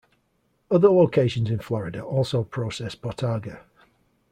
Other locations in Florida also process bottarga.